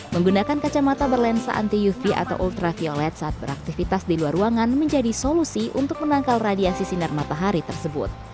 menggunakan kacamata berlensa anti uv atau ultraviolet saat beraktivitas di luar ruangan menjadi solusi untuk menangkal radiasi sinar matahari tersebut